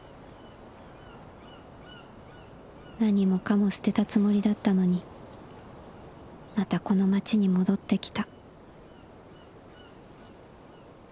「何もかも捨てたつもりだったのにまたこの町に戻ってきた」。